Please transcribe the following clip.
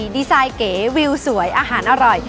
ดีไซน์เก๋วิวสวยอาหารอร่อย